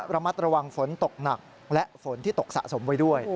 ระมัดระวังฝนตกหนักและฝนที่ตกสะสมไว้ด้วย